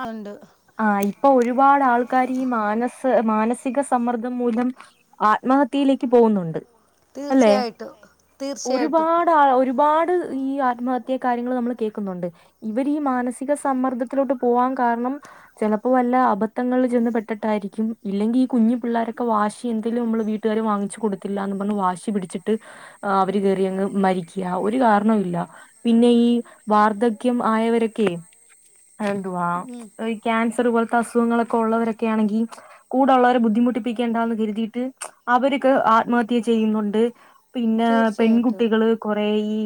അഉണ്ട് ആ ഇപ്പൊ ഒരുപാട് ആൾക്കാർ ഈ മാന സ് മാനസിക സമ്മർദ്ദം മൂലം ആത്മഹത്യയിലേക്ക് പോകുന്നുണ്ട് അല്ലെ തീർച്ചയായിട്ടും തീർച്ചയായിട്ടും ഒരുപാട് ആ ഒരുപാട് ഈ ആത്മഹത്യ കാര്യങ്ങൾ നമ്മൾ കേൾക്കുന്നുണ്ട് ഇവര് ഈ മാനസിക സമ്മർദ്ദത്തിലോട്ട് പോവാൻ കാരണം ചിലപ്പോ വല്ല അബദ്ധങ്ങളിൽചെന്ന് പെട്ടിട്ടായിരിക്കും ഇല്ലെങ്കിൽ ഈ കുഞ്ഞു പിള്ളോരൊക്കെ വാശി എന്തെങ്കിലും നമ്മള് വീട്ട വീട്ടുകാര് വാങ്ങിച്ചു കൊടുക്കില്ല എന്ന് പറഞ് വാശി പിടിച്ചിട്ട് അവര് കേയറി അങ്ങ് മരിക്കു ഒരു കാരണ ഇില്ല പിന്നെ ഈ വാർദ്ധക്യം ആയവരൊക്കെ അ എന്തുവാ ഉം ഈ ക്യാൻസർ പോലത്തെ അസുഖങ്ങളൊക്കെ ഉള്ളവരൊക്കെ ആണെങ്കിൽ കൂടെ ഉള്ളവരെ ബുദ്ധിമുട്ടിപ്പിക്കേണ്ട എന്ന് കരുതിയിട്ട് അവരക്കെ ആത്മഹത്യ ചെയ്യുന്നുണ്ട് പിന്നെ തീർച്ചയായിട്ടും പെൺകുട്ടികള് കുറെ ഈ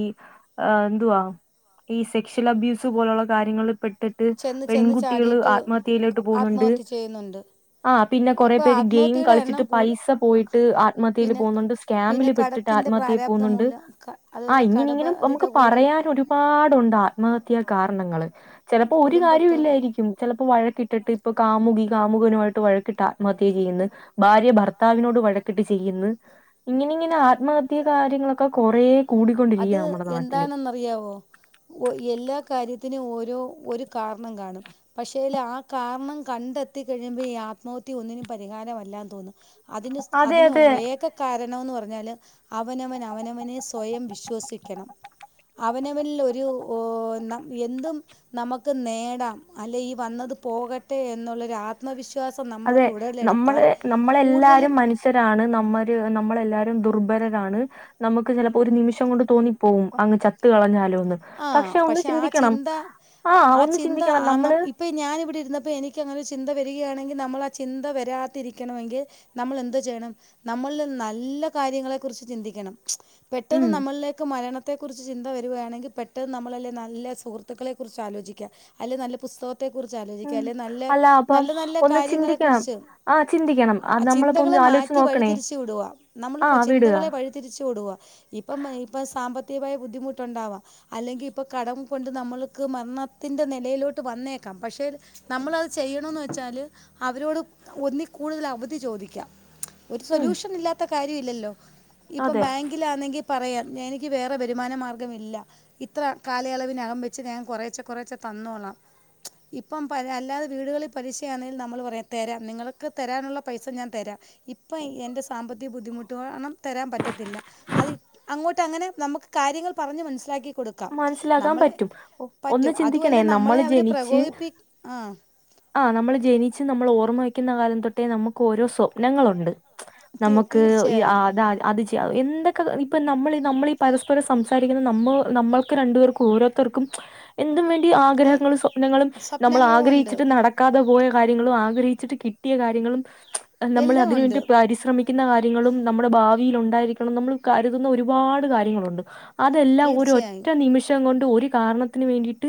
എന്തുവാ ഈ സെക്ഷൽ അബ്യൂസ് പോലുള്ള കാര്യങ്ങളിൽ പെട്ട് ് ചെന്ന് ചെന്ന് പെൺകുട്ടികള് ചാടിയിട്ട് ആത്മഹത്യയിലോട്ട് പോകുന്നുണ്ട് ആത്മഹത്യ ചെയ്യുന്നുണ്ട് ആ പിന്നെ കൊറ ഇപ്പോൾ പേര് ഗെയിം ആത്മഹത്യയുടെ എണ്ണം കളിച്ചിട്ട് കൂടു പൈസ പോയിട്ട് ആത്മഹത്യൽ പിന്നെ പോകുന്നുണ്ട് സ്കാമിൽ പിന്നെ പെട്ടിട്ട് കടത്തിൻ്റെ ആത്മഹത്യയിൽ പ്രാരാബ്ധം പോകുന്നുണ്ട് മൂലം ക ആ അതുപോലെ ഇങ്ങനെ ഇങ്ങനെ നമുക്ക് കടബാധ്യത കൂടി പറയാനൊരു ഒരു പാടുണ്ട് ആത്മഹത്യാ കാരണങ്ങള് ചിലപ്പോ ഒരു കാര്യം കുടുംബത്ത് ഇല്ലായിരിക്കും ചിലപ്പോ വഴക്കിട്ടിട്ട് ഇപ്പൊ കാമുകി കാമുകനുമായിട്ട് വഴക്കിട്ട് ആത്മഹത്യ ചെയ്യുന്നു ഭാര്യ ഭർത്താവിനോട് വഴക്കിട്ട് ചെയ്യുന്നു ഇങ്ങനെ ഇങ്ങനെ ആത്മഹത്യ കാര്യങ്ങളൊക്കെ കൊറ കൂടിക്കൊണ്ടിരിക്കയാ നമ്മുടെ നാട്ടില് അറിയാവോ എല്ലാ കാര്യത്തിനും ഓരോ ഒരു കാരണം കാണും പക്ഷേതിൽ ആ കാരണം കണ്ടെത്തി കഴിയുമ്പോ ഈ ആത്മഹത്യ ഒന്നിനും പരിഹാരമല്ലന്ന് തോന്നുന്നു അതിന് അതെ അതിന് അതെ. ഏക കാരണംമന്ന് പറഞ്ഞാൽ അവനവൻ അവനവനെ സ്വയം വി ശ്വസിക്കണം അവനവനൽൊ ഒരു എന്തും നമുക്ക് നേടാം അല്ലെ ഈ വന്നത് പോകട്ടെ എന്നുള്ളൊരു ആത്മവിശ്വാസം അതെ നമ്മളിൽ ഉടലെടുത്താൽ കൂടുതലും രാണ് നമ്മര് നമ്മളെല്ലാവാരും ദുർബലരാണ് നമുക്കങ്ങനെഒരു നിമിഷം കൊണ്ട് തോന്നിപ്പോവും അങ്ങ് ചത്ത് കളഞ്ഞാലോ ഒന്ന് ആഹ് പക്ഷെ ഒന്ന് ആ ചിന്തിക്കണം ചിന്ത ആഹ് ഒന്ന് ചിന്തിക്കണം നമ്മള് ഇപ്പോം ഞാനിവിടെ ഇരുന്നപ്പോൾ എനക്ക്ങ്ങനെ ഒരു ചിന്ത വരികയാണെങ്കിൽ നമ്മള ആ ചിന്ത വരാതിരിക്കണമെങ്കിൽ നമ്മൾ എന്ത് ചെയ്യണം നമ്മള നല്ല കാര്യങ്ങളെ കുുറിച്ച് ചിന്തിക്കണം പെട്ടെന്ന് ഉം നമ്മളിലേക്ക് മരണത്തെക്കുറിച്ച് ചിന്ത വരിുകയാണെങ്കിൽ പെട്ടെന്ന് നമ്മളല്ല നല്ല സുഹൃത്തുക്കളെ കുറിച്ച് ആലോചിക്കുക അല്ലെങ്ക നല്ല പുസ്തക കുറിച്ചാലോചിക്കുക ഉം അല്ലനല്ല അല്ല അപ്പം നല്ല നല്ല ഒന്ന് കാലങ്ങളെ ചിന്തിക്കണം കുറിച്ച് ആഹ് ചിന്തിക്കണം അത് ആ നമ്മളിപ്പോ ഒന്ന് ചിന്തകളെ ആലോചിച്ച് മാറ്റി നോക്കണേ വഴിതിരിച്ചു വിടുവാ നമ്മളിപ്പ ആഹ് വിടുക ചിന്തകളെ വഴി തിരിച്ചു കൊടുവാ ഇപ്പം ഇപ്പൊ സാമ്പത്തികമായ ബുദ്ധിമുട്ടുണ്ടാവാ അല്ലെങ്കിൽ ഇപ്പോൾ കടം കൊണ്ട് നമ്മൾക്ക് മരണത്തിൻ്റെ നിലയിലോട്ട് വന്നേക്കാം പക്ഷേ നമ്മള അത് ചെയ്യണംന്ന് വെച്ചാല് അവരോട് ഒന്നിക്കൂടുതൽ അവധി ചോദിക്കാം ഒരു ഉം സൊല്യൂഷൻ ഇല്ലാത്ത കാര്യം ഇല്ലല്ലോ ഇപ്പ ബാ അതെ ബാങ്കിലാണെങ്കിൽ പറയാംൻൻ എനിക്ക് വേറെ വരുമാന മാർഗമില്ല ഇത്ര കാലയളവിനകം വച്ച് ഞാൻ കുറേച്ചെ കുറേച്ചെ തന്നോളാം ഇപ്പം പ അല്ലാതെ വീടുകളിൽ പലിശയാണെങ്കിൽ നമ്മൾ പറയാം തരാം നിങ്ങൾക്ക് തരാനുള്ള പൈസ ഞാൻ തരാം ഇപ്പം എൻ്റെ സാമ്പത്തിക ബുദ്ധിമുട്ട്ണം തരാൻ പറ്റത്തില്ല അത് അങ്ങോട്ട അങ്ങനെ നമുക്ക് കാര്യങ്ങൾ പറഞ്ഞു മനസിലാക്കി മനസ്സിലാക്കാൻ പറ്റും ഒന്ന് പറ്റും അതുമല്ല ചിന്തിക്കണേ നമ്മൾ നമ്മളെ അവർ ജനിച്ച് പ്രകോപിപ്പി ആ ആ നമ്മൾ ജനിച്ച് നമ്മൾ ഓർമ്മ വക്കുന്ന കാലം തൊട്ടേ നമുക്ക് ഓരോ സ്വപ്നങ്ങളുണ്ട് തീ- നമക്ക് ഈ തീർച്ചയായും അത അത് ചെയ്യാം എന്തൊക്കെ ഇപ്പം നമ്മൾീ നമ്മൾീഈ പരസ്പരം സംസാരിക്കുന്നത് നമ്മൾ നമ്മൾക്ക് രണ്ട്പേർക്കും ഓരോത ർക്കും എന്തും എ- വേണ്ടിആഗ്രഹങ്ങളും സ്വപ്നങ്ങളും ഉണ്ട് സ്വപ്നങ്ങളുംനമ്മൾആഗ്രഹിച്ചിട്ട്നട കാതെപോയകാര്യങ്ങളും ആഗ്രഹിച്ചിട്ട് എല്ലാം കിട്ടിയകാര്യങ്ങളുംനമ്മൾഅതിന് ഉണ്ട് വേണ്ടി പരിശ്രമി കിന്നകാര്യങ്ങളും നമ്മടെഭാവിലു ണ്ടായിരിക്കണം നമ്മൾകര്തുന്ന ഒരുപാട്കാര്യങ്ങളുണ്ട് അതെല്ലാം തീർച്ചയായും ഒര്ഒറ്റനിമിഷംകൊണ്ട് ഒര് കാരണത്തിന് വേണ്ടിട്ട്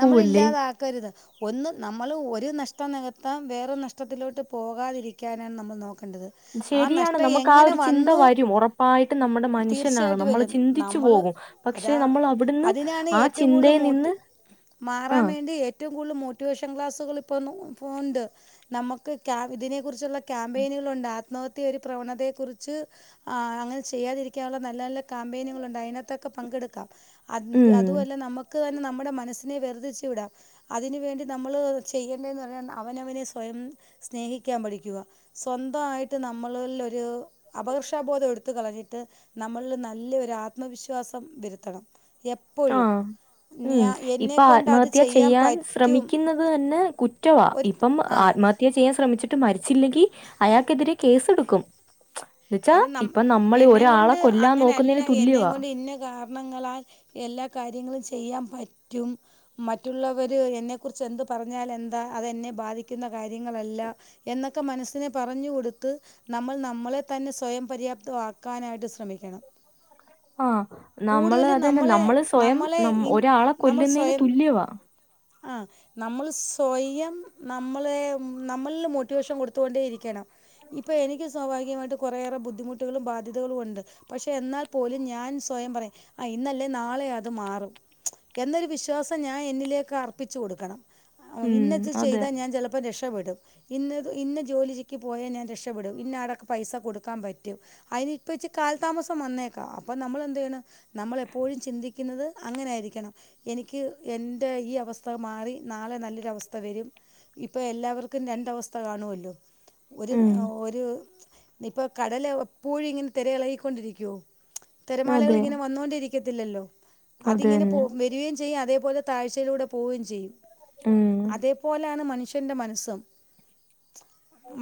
നമ്മളില്ലാതാക്കരുത് ഒന്ന് നമ്മള് ഒര് നഷ്ടംനികത്താൻ വേറൊരുനഷ്ടത്തിലോട്ട് പോകാതിരിക്കാനാണ്നമ്മൾ നോക്കേണ്ടത് ആ നഷ്ടം എങ്ങനെ വന്നു ശരിയാണ്നമുക്ക്ആഒരുചിന്തവരും ഉറപ്പായിട്ട് തീർച്ചയായിട്ടും നമ്മുടെമനുഷ്യനാണ്നമ്മള് വരും നമ്മൾ ചിന്തിച്ച്പോവും അതാ അതിനാണ് പക്ഷെനമ്മൾഅവിട്ന്ന്ആ ചിന്തയിനിന്ന് മാറാൻവേണ്ടിഏറ്റവുംകൂടുതൽ മോട്ടിവേഷൻ ക്ലാസ്സുകൾ ഇപ്പോന് പോണ്ട്‌ നമുക്ക് ഇതിനെ കുറിച്ചുള്ള ക്യാമ്പയിനുകളുണ്ട് ആത്മഹത്യരു പ്രവണതയെ കുറിച്ച് ആ അങ്ങനെ ചെയ്യാതിരിക്കാനുള്ള നല്ല നല്ല ക്യാമ്പയിനുകലുണ്ട് അയി നകത്തൊക്കെ പങ്കെടുക്കാ ഉം അതുവല്ല നമക്ക് തന്നെ നമ്മടെ മനസ്സിനെ വെർതിച്ചു വിടാം അതിനു വേണ്ടിനമ്മൾ ചെയ്യേണ്ടതെന്ന്പറഞ്ഞാഅവനവനെ സ്വയംസ്നേഹിക്കാൻപഠിക്കുക സ്വന്തയിട്ട്നമ്മളിൽഒരു അപകർഷാബോധംട്ത്കളഞ്ഞിട്ട് നമ്മളില് നല്ല ഒരു ആത്മവിശ്വാസം വെ രുത്തണം ആ ഉം എപ്പൊഴുംഞ്യാ ഇപ്പൊ ആത്മഹത്യ ചെയ്യാൻ ശ്രമിക്കുന്നത് തന്നെ കുറ്റവാ ഒരു ആ ഇപ്പംആത്മ ഹത്യ ചെയ്യാൻ ശ്രമിച്ചിട്ട് മരിച്ചില്ലെങ്കി അയാൾക്കെതിരെ കേസെട്ക്കും എെച്ചാ അത് നം ഇപ്പൊ നമ്മൾ ഒരാളെ കൊല്ലാൻ നോക്കുന്നതിന് തുല്യവാ പിന്നെഗാ ണങ്ങളാൽഎല്ലാകാര്യങ്ങളുംചെയ്യാ പറ്റും മറ്റുള്ളവര് എന്നെ കുറിച്ച് എന്ത് പറഞ്ഞാൽ എന്താ അത് യെന്നെ ബാധിക്കുന്ന കാര്യങ്ങളല്ല എന്നൊക്കെ മനസ്സിനെ പറഞ്ഞു കൊടുത്ത് നമ്മൾ നമ്മളെ തന്നെ സ്വയം പര്യാപ്ത വാക്കാനായിട്ട് ശ്രമിക്കണം ആ നമ്മള് കൂടുതല് അതന്നെ നമ്മളെ നമ്മള് സ്വയം നമ്മളെ നം ഇൻ ഒരാളെ നമ്മൾ കൊല്ലുന്നതിന് സ്വയം തുല്യവാ. ആഹ് നമ്മൾ സ്വയം നമ്മളെ നമ്മളിൽ മോട്ടിവേഷൻ കൊടുത്തു കൊണ്ടേ ഇരിക്കണം ഇപ്പൊ എനിക്ക് സ്വാഭാവികമായിട്ടും കുറേറെ ബുദ്ധിമുട്ടുകളും ബാധ്യതകളുണ്ട് പക്ഷേ എന്നാൽ പോലും ഞാൻ സ്വയം പറയ ആ ഇന്നല്ലേനാളെഅത് മാറും എന്നൊരു വിശ്വാസം ഞാൻ എന്നിലേക്ക് അർപ്പിച്ചു കൊടുക്കണം ഉം ഇന്നത്ത് അതെ. ചെയ്താ ഞാൻ ചില അപ്പം രക്ഷപ്പെടും ഇന്ന് ഇന്ന ജോലിക്ക് പോയാൽ ഞാൻ രക്ഷപ്പെടും ഇന്നത്ത ആടക്കെ പൈസ കൊടുക്കാൻ പറ്റും അയ്ന് ഇപ്പ ഇച്ച് കാൽതാമസം വന്നേക്കാ അപ്പൊ നമ്മൾ എന്ത് ചെയ്യണം നമ്മള് എപ്പോഴും ചിന്തിക്കുന്നത് അങ്ങനെ ആയിരിക്കണം എനിക്ക് എന്റെ ഈ അവസ്ഥ മാറി നാളെ നല്ലൊരു അവസ്ഥ വെരും ഇപ്പൊ എല്ലാവർക്കും രണ്ട് അവസ്ഥ കാണുവല്ലോ ഒര് ഉം ഒര് ഇപ്പം കടല് എപ്പോഴും ഇങ്ങനെ തിര ഇളകിക്കൊണ്ടിരിക്യോ തിരമാലകൾ അതെ. ഇങ്ങനെ വന്നോണ്ടിരി ത്തില്ലല്ലോ അത് ഇങ്ങനെ പോ വരോം ചെയ്യും അതേപോലെ താഴ്ചയിലൂടെ പോവും ചെയ്യും ഉം അതേ പോലാണ് മനുഷ്യന്റെ മനസ്സും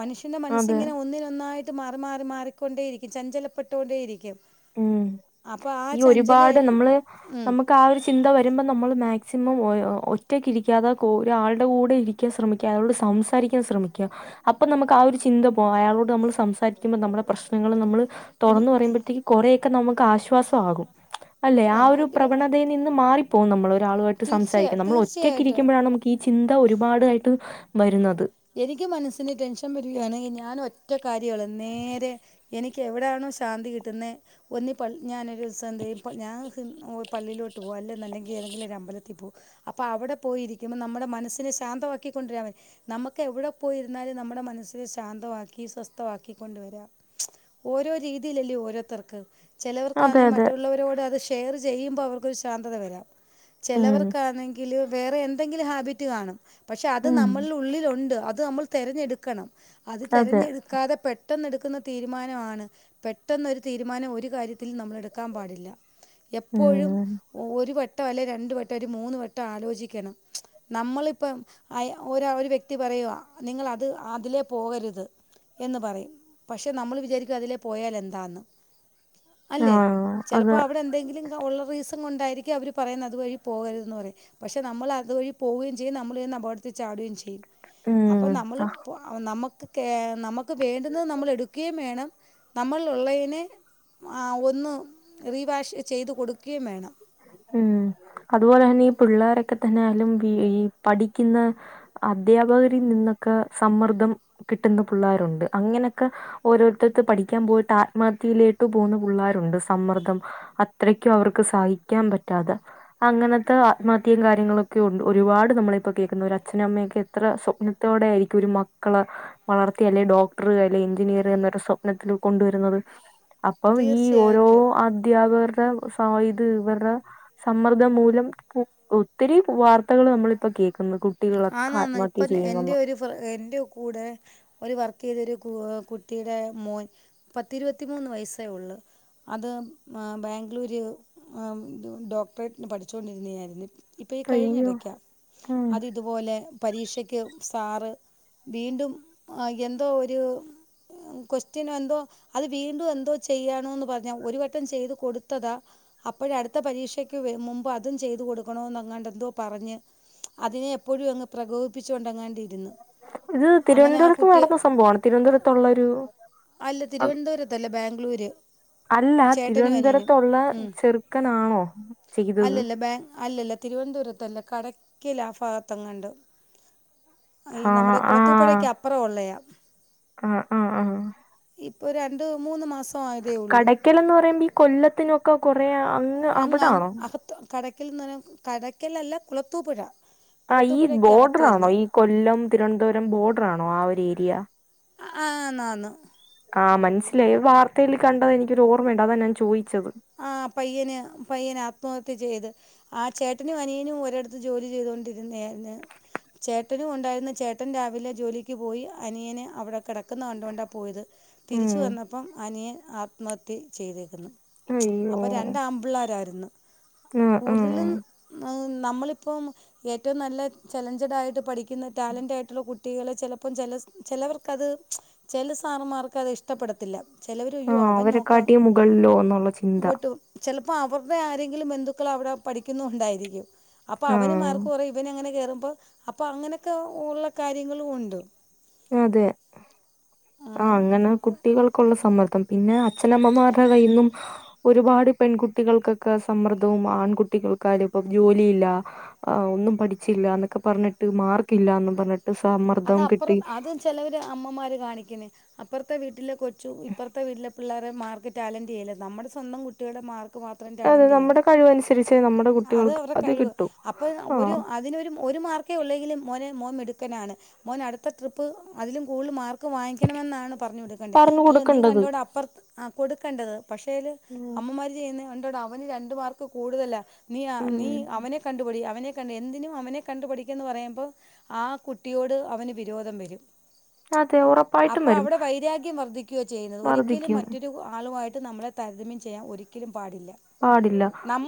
മനുഷ്യന്റെ മനസ് അതെ ഇങ്ങനെ ഒന്നിനൊന്നായിട്ട് മാറി മാറി മാറിക്കൊണ്ടേയിരിക്കും ചഞ്ചലപെട്ടോ ണ്ടേയിരിക്കും ഉം അപ്പൊ ആചഞ്ചലി എൽ ഉം ഒക്കെ ആ ഒരു ചിന്ത വരുമ്പോൾ നമ്മൾ മാക്സിമം ഒറ്റയ്ക്ക് ഇരിക്കാതെ ഒരാളുടെ കൂടെ ഇരിക്ക ക്യാൻ ശ്രമിക്യാ അയാളോട് സംസാരിക്കാൻ ശ്രമിക്യാ അപ്പൊ നമ്മക്ക് ആഒരു ചിന്ത പോ അയാളോട് നമ്മള് സംസാരിക്കുമ്പോ നമ്മുടെ പ്രശ്നങ്ങള് നമ്മള് ഇനി തൊറന്ന് പറയുമ്പത്തേക്ക് കൊറേക്കെ നമുക്ക് ആശ്വാസാകും അല്ലെ ആഒരു പ്രവണതയിൽ നിന്ന് മാറി പോലും നമ്മളൊരു ആളുവായിട്ട് സംസാരിക്ക തീർച്ചയായും നമ്മള് ഒറ്റക്കി തീർച്ചയായിട്ടും രിക്കുമ്പഴാണ് നമു ഈ ചിന്ത ഒരുപാടായിട്ട് വരുന്നത് എനിക്ക് മനസ്സിന് ടെൻഷൻ വരുകയാണെങ്കി ഞാനൊറ്റ കാര്യളു നേരെ എനി ക്കെവിടാണോ ശാന്തി കിട്ടുന്നേ ഒന്നിപള്ളി ഞാനൊരൂസം ന്തേ പൾ ഞാൻ ഹ് പള്ളിലോട്ട് പോവാ അല്ലന്നെല്ലെങ്കിൽ ഏതെങ്കിലൊരമമ്പലത്തിൽ പോവും അപ്പൊ അവിടെ പോയിരിക്കുമ്പോ നമ്മുടെ മനസ്സിനെ ശാന്തവാക്കി കൊണ്ടുരാൻ നമ്മക്ക് എവിടെ പോയിരുന്നാലും നമ്മടെ മനസ്സ് ശാന്തവാക്കി സ്വസ്ഥവാക്കി കൊണ്ട് വരാ ഓരോ രീതിയിലല്ലേ ഓരോത്തർക്ക് അതെ ചിലവർക്കാണേ അതെ മറ്റുള്ളവരോട് അത് ഷേറ് ചെയ്യുമ്പോ അവർക്കൊരു ശാന്തത വരാം ഉം ചെലവർക്കാണെങ്കില് വേറെ എന്തെങ്കിലും ഹാബിറ്റ് കാണും പക്ഷെ അത് ഉം നമ്മള് ഉള്ളിലുണ്ട് അത് നമ്മൾ തെരെഞ്ഞെടുക്കണം അത് അതെ തെരഞ്ഞെടു ക്കാതെ പെട്ടെന്നെടുക്കുന്ന തീരുമാനാണ് പെട്ടെന്നൊരു തീരുമാനം ഒരു കാര്യത്തിൽ നമ്മളെടുക്കാൻ പാടില്ല എപ്പോഴും ഉം ഒരുവട്ടൊ അല്ലെങ്കിരണ്ടവട്ടൊ ഒരു മൂന്ന് വട്ടം ആലോചിക്കണം നമ്മളിപ്പം ആയ ഒരാള് വ്യക്തി പറയാ നിങ്ങള് അത് അതിലേ പോകരുത് എന്ന് പറയും പക്ഷേ നമ്മള് വിചാരിക്കും അതിലെ പോയാലെന്താന്ന് അല്ലേ ആഹ് ചെലപ്പോ അതെ അവെടെ എന്തെങ്കിലും ഉള്ളത് റീസൺ കൊണ്ടായിരിക്കും അവര് പറയുന്നത് അതുവഴി പോകരുതെന്ന് പറയും പക്ഷെ നമ്മള് അത് വഴി പോവുകയും. ചെയ്യും നമ്മളെന്നെ അപകട ചാടുംചെയ്യും അപ്പം ഉം നമ്മള് ആ പൊ നമ്മക്ക് കേ നമ്മക്ക് വേണ്ടുന്നത് നമ്മള് എടുക്കേം വേണം നമ്മൾ ഉള്ളേയ്നേ ആ ഒന്ന് റീവാഷ് ചെയ്തു കൊടുക്കേം വേണം ഉം അതുപോലെന്നെ ഈ പുള്ളേരൊക്കെതന്നെയാലും ഈ പഠിക്കുന്ന അദ്ധ്യാപകരിൽ നിന്നൊക്കെ സമ്മർദ്ദം കിട്ടുന്ന പിള്ളേരുണ്ട് അങ്ങനൊക്കെ ഓരോരുത്തത്ത് പഠിക്യാൻ പോയിട്ട് ആത്മഹത്യയിലേട്ട് പോണു പിള്ളേരുണ്ട് സമ്മർദ്ദം അത്രയ്ക്കും അവർക്ക് സഹക്കാൻ പറ്റാതെ അങ്ങനത്തെ ആത്മഹത്യിം കാര്യങ്ങളും ക്കെയുണ്ട് ഒരുപാട് നമ്മളിപ്പോ കേൾക്കുന്ന ഒരു അച്ഛനമ്മയൊക്കെ എത്ര സ്വപ്നത്തോടെ ആയിരിക്കും ഒരു മക്കള് വളർത്തിയല്ലെ ഡോക്ട്റ് അല്ലെ എഞ്ചിനീയർ എന്നൊക്കെ സ്വപ്നത്തില് കൊണ്ടുവരുന്നത് അപ്പൊ ഈ ഓരോ തീർച്ചയായിട്ടും അദ്ധ്യാപകരുടെ സാഹിദ് വർ സമ്മർദ്ദം മൂലം ഒത്തിരി വാർത്തകള് നമ്മളിപ്പകേൾക്കുന്ന് കു ആനാന്ന് ഇപ്പ എൻ്റെ ഒരു പ് എന്റെ കൂടെ ഒരു വർക്കെയ്ത ഒരു കൂ കുട്ടിയുടെ മോൻ പത്തിരുപത്തിമൂന്ന് വയസ്സേ ഒള്ളു അത് ആ ബാംഗ്ലൂര് ഡോക്ടറേറ്റിന് പഠിച്ചോണ്ടിരുന്നാതായിരുന്നു ഇപ്പൊ ഇ കഴിഞ്ഞ അയ്യോ ഇടയ്ക്ക ഉം അത് ഇതുപോലെ പരീക്ഷയ്ക്ക് സാറ് വീണ്ടും അ എന്തോ ഒര് ആ കൊസ്റ്റനൊ എന്തൊ അത് വീണ്ടും എന്തോ ചെയ്യണോന്ന്പറഞ്ഞു ഒരുവട്ടം ചെയ്ത് കൊടുത്തതാ അപ്പോഴാ അടുത്ത പരീക്ഷയ്ക്ക് വെ മുമ്പ് അതും ചെയ്തു കൊടുക്കണോന്ന്ങ്ങാണ്ടെന്തോ പറഞ്ഞ് അതിനെ എപ്പോഴങ്ങ് പ്രകോപിപ്പിച്ചുണ്ടങ്ങാണ്ടിരുന്നു ഇത് തിരുവൻന്തരത്ത് നടന്ന സംഭവാണ് തിരുവനന്തരത്തുള്ളരു അല്ല തിരുവന്തരത്തല്ല ബാംഗ്ലൂര് അല്ല ചേട്ടനും അനിയനും തിരുവനന്തപുരത്തുള്ള ഉം ചെറുക്കനാണോ ചെയ്തത് അല്ലല്ല ബേ അല്ലല്ല തിരുവൻന്തപുരത്തല്ല കടയ്ക്കൽആഫാഗത്തെങ്ങാണ്ടോ ഈ ആഹ് നമ്മുടെ ആഹ് കുളത്തൂപ്പുഴക്കപ്പുറള്ളേ ആഹ് ആഹ് ആഹ് ഇപ്പോ രണ്ട് മൂന്ന് മാസായതേ ഒള്ളൂ കടക്കലന്നറയുമ്പോ ഈ കൊല്ലത്തിനൊക്കെ കൊറേ അങ്ങ് അവിടാണോ കടയ്ക്കെൽന്നറഞ്ഞാ കടയ്ക്കലല്ല കുളത്തൂ പുഴ ആ ഈ ബോഡ്റാണോ ഈ കൊല്ലം തിരുവനന്തുരം ബോഡറാണോ ആ ഒരു ഏരിയ ആ ആ നാന് ആഹ് മനസ്സിലായി വാർത്തയിൽ കണ്ടതെനിക്കൊരു ഓർമ്മയുണ്ട് അതാഞാൻ ചോയ്ച്ചത് ആ പയ്യന് പയ്യന് ആത്മഹത്യ ചെയ്ത് ആ ചേട്ടനും അനിയനും ഒരിടത്ത് ജോലി ചെയ്തൊണ്ടിരുന്നാര്ന്ന്. ചേട്ടനും ഉണ്ടായിരുന്ന് ചേട്ടൻ രാവിലെ ജോലിക്ക് പോയി അനിയനെ അവിടെ കെട ക്ക്ന്ന കണ്ടോണ്ടാ പോയത് തിരിച്ച ഉം വന്നപ്പം അനിയൻ ആത്മഹത്യ ചെയ്തേക്ക്ന്ന്. മ്മ്ച് അയ്യോ അപ്പ രണ്ടാമ്പിള്ളേരായിരുന്ന് ആഹ് ആഹ് കൂടുതലും ന്ന് നമ്മളിപ്പം. ഏറ്റവും നല്ല ചലഞ്ച് ടാലെന്റ്റയിട്ട് പഠിക്കുന്ന ടാലന്റായിട്ടുള്ള കുട്ടികള് ചെലപ്പം ചെല സ് ചെലവർക്കത് മ്മ്ച്. ചെലേ സാറമാർക്ക് അത് ഇഷ്ടപ്പെടത്തില്ല. ചിലവർ ആ അവരെ കാട്ടി മുകളിലോന്നുള്ള മൂത്തു ചിലപ്പോ അവര്ടെ ആരെങ്കിലും ബന്ധുക്കൾ അവിടെ പഠിക്കുന്നു ഉണ്ടായിരിക്കും. അപ്പൊ അവന് മാർക്ക് ആഹ് കുറയു ഇവനങ്ങനെ കേറുമ്പോ അപ്പൊ അങ്ങനെക്കെ ഉള്ള കാര്യങ്ങളും ഉണ്ട്. അതെ ആ അങ്ങനെ കു ട്ടികൾക്കുള്ള സമ്മർദ്ദം പിന്നെ അച്ഛനമ്മമാരുടെ കയ്യിന്നും ഒരുപാട് പെൺകുട്ടികൾക്കൊക്കെ സമ്മർദ്ദവും ആൺകുട്ടികൾക്കാലും ഇപ്പം ജോലിയില്ല ആ ഒന്നും പഠിച്ചില്ല ന്നൊക്കെ പറഞ്ഞ്ട്ട് മാർക്ക് ഇല്ലന്നും പറഞ്ഞ്ട്ട് ദ്സമ അതപ്റ അതും ചിലവര് അമ്മമാര് കാണിക്കണെ അപ്പർത്തെ വീട്ടിലെ കൊ ചു ഇപ്പർത്തെ വീട്ടിലെ പിള്ളേരെ മാർക്ക് ടാലന്റ്യ്യല്ല നമ്മടെ സ്വന്തം കുട്ടികളുടെ മാർക്ക് മാത്രം അതെ നമ്മുടെ ടാലന്റിയ്യണം. കഴിവനുസരിച്ച് നമ്മടെ അത് അവരുടെ കഴിവ് അപ്പൊ ഒരു അതിനൊരു ഒരു മാർക്കേ ഒള്ളെങ്കിലും മോനെ മോ മിടുക്കനാണ് മോനടുത്ത ട്രിപ്പ് അതിലും കൂടുതൽ മാർക്ക് വാങ്ങിക്കണമെന്നാണ് പറഞ്ഞു വിട് പറഞ്ഞു അല്ല നീ കൊടുക്കേണ്ടത് കണ്ടോട അപ്പർത്ത് ആ കൊടുക്കണ്ടത് പക്ഷേ അയില് ഉം അമ്മമാര് ചെയ്യുന്നെ കണ്ടോടാ അവന് രണ്ട്മാർക്ക് കൂടുതലാ നീ ആ ഉം. നീ അവനെ കണ്ടുപടി അവനെ തന്നെ എന്തിനും അവനെ കണ്ടുപഠിക്കന്ന് പറയുമ്പോ ആ കുട്ടിയോട് അവന് വിരോധം വരും അതെ ഉറപ്പായിട്ടും അപ്പൊ വരും അവിടെ വൈരാഗ്യം വർദ്ധിക്യോ ചെയ്യുന്നത് ഒരിക്കലും വർധിക്കും മറ്റൊരു ഒ ആളുമായിട്ട് നമ്മളെ താരതമ്യം ചെയ്യാൻ ഒരിക്കലും പാടില്ല. പാടില്ല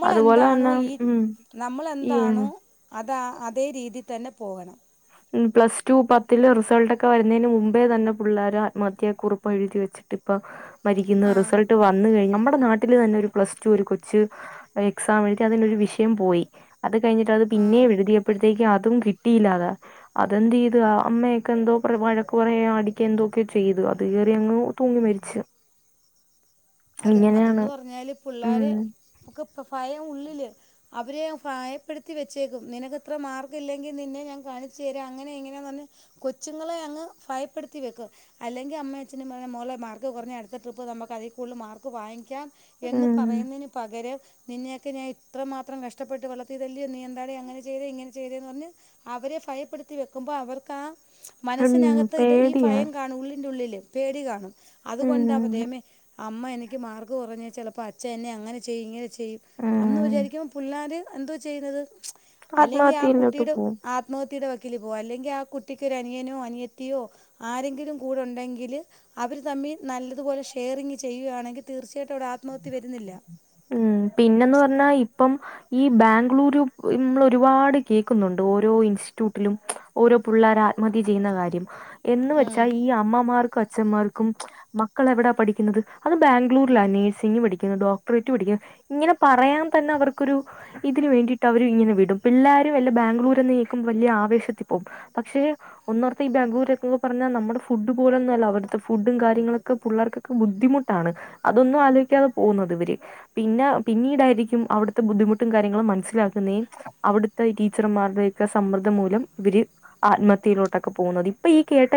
അതുപോ ന്താണോ ഈ നമ്മളെന്താണൂ അതാ അതേ രീതി തന്നെ പോകണം. മ് പ്ലസ് ടു പത്തിലെ റിസൾട്ടക്കെ വരുന്നതിന് മുമ്പേ തന്നെ പിള്ളേർ ആത്മത്യാ കുറുപ്പ് എഴുതിവെച് ഇപ്പൊ മരിക്കുന്ന ആ റിസൾട്ട് വന്ന് കഴിഞ്ഞ് നമ്മുടെ നാട്ടില് തന്നെ ഒരു പ്ലസ് ടു ഒരു കൊച്ച് എക്സാം എഴുതി അതിനൊരു വിഷയം പോയി. അത് കഴിഞ്ഞിട്ട് അത് ആ പിന്നേം എഴുതിയപ്പൊഴത്തേക്ക് അതും കിട്ടിയില്ലാതാ അതെന്തേത് ആ അമ്മേ ക്കെന്തോ പറ വഴക്ക് പറയ അടിക്കന്തക്കെ ചെയ്തു അത് കയറി അങ്ങ് തൂങ്ങി മരിച്ച്. അത് അതന്ന് പറഞ്ഞാല് പിള്ളാര് ഒക്ക പ് ഫയം ഉള്ളില് അവരെ ഫായപ്പെടുത്തി വെച്ചേക്കും നിനക്ക്ത്ര മാർക്കില്ലെങ്കി നിന്നെ ഞാൻ കാണിച്ചു തരാം അങ്ങനെ ഇങ്ങനെന്നറഞ്ഞ് കൊച്ചുങ്ങളെ അങ്ങ് ഫയപ്പെടുത്തി വെക്ക് അല്ലെങ്കി അമ്മയച്ഛനും പയ മോളെ മാർക്ക് കുറഞ്ഞ അടുത്ത ട്രിപ്പ് നമ്മക്ക് അതി കൂടൽ മാർക്ക് വാങ്ങിക്കാം എന്ന് ഉം പറയ്ന്നയിന് പകരം നിന്നെയെക്കെ ഞാൻ ഇത്രമാത്രം കഷ്ടപ്പെട്ട് വളർത്തിയതല്ല്യോ നീയെന്താടി അങ്ങനെ ചെയ്തെ ഇങ്ങനെ ചെയതേന്ന് പറഞ്ഞ് അവരെ ഫയപ്പെടുത്തി വെക്കുമ്പോ അവർക്കാ ഉം മനസ്സിനകത്ത ഇത് ഈ പേടിയാ ഫയം കാണും ഉള്ളിന്റെ ഉള്ളില് പേടി കാണും ഉം അതുകൊണ്ടാവദേമേ അമ്മ എനിക്ക് മാർക്ക് കുറഞ്ഞാൽ ചിലപ്പോ അച്ഛ എന്നെ അങ്ങനെ ചെയ്യും ഇങ്ങനെ ചെയ്യും അന്ന് ഉം വിചാരിക്കുമ്പോ പിള്ളാര് എന്തോ ചെയ്യുന്നത് മ്ച് അല്ലെങ്കി ആ ആത്മഹത്യയിലോട്ട് കുട്ടിടെ പോവും ആ നോത്തിടെ വക്കിൽ പോവ അല്ലെങ്കി ആ കുട്ടിക്കൊരനിയനോ അനിയത്തിയോ ആരെങ്കിലും കൂടെ ഉണ്ടെങ്കില് അവര് തമ്മി നല്ലതുപോലെ ഷെയറിങ് ചെയ്യുകയാണെങ്കി തീർച്ചയായിട്ടും വ്ടെ ആത്മഹത്യ വരുന്നില്ല. ഉം പിന്നന്ന് പറഞ്ഞാ ഇപ്പം. ഈ ബാംഗ്ലൂരു ഇന്നൊരുപാട് കേക്കുന്നുണ്ട് ഓരോ ഇൻസ്റ്റിറ്റ്യൂട്ടിലും മ്മ്ച്. ഓരോ പിള്ളോര ആത്മഹത്യ ചെയ്യുന്ന കാര്യം എന്ന്ന് വെച്ചാ ഈ അമ്മമാർക്കും അച്ഛന്മാർ ക്കും മക്കളെവിടാ പഠിക്കുന്നത് അത് ബാംഗ്ലൂരിലാ നേ സിങ് പഠിക്കുന്ന് ഡോക്ടറേറ്റ് പഠിക്കുന്നു ഇങ്ങനെ പറയാൻ തന്നെ അവർക്കൊരു ഇതിന് വേണ്ടീട്ടവര് ഇങ്ങനെ വിടും പിള്ളാരു വല്ല ബാംഗ്ലൂർ എന്ന് കേക്കുമ്പോ വലിയ ആവേത്തിപോകും. പക്ഷെ ഒന്നോർത്തഈ ബംഗ്ലൂര എക്കെ പറഞ്ഞാ നമ്മുടെ ഫുഡ് പോലൊന്നല്ല അവിത്തെ കാര്യങ്ങളൊക്കെള്ളേർക്ക ബുദ്ധിമുട്ടാണ് അതൊന്നും ആലോചിക്കാതെ പോകുന്നത് ഇവര് പിന്നെ പിന്നീടായിരിക്കും അവിടുത്തെ ബുദ്ധിമുട്ടും കാര്യങ്ങളും മനസ്സിലാക്കുന്നെ അവിടുത്തെഈ ടീച്ചർമാരുടെയൊക്കെ സമ്മർദ്ദം മൂലം ഇവര് ആത്മഹത്യയിലോട്ടൊക്കെ പോകുന്നത് ഇപ്പൊ ഈ കേട്ട